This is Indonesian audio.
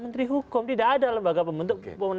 menteri hukum tidak ada lembaga pembentuk